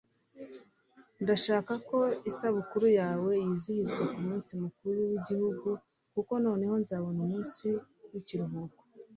ndashaka ko isabukuru yawe yizihizwa nkumunsi mukuru wigihugu kuko noneho nzabona umunsi wikiruhuko